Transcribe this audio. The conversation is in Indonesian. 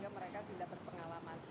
mereka sudah berpengalaman